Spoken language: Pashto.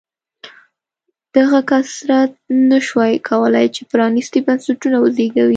دغه کثرت نه شوای کولای چې پرانېستي بنسټونه وزېږوي.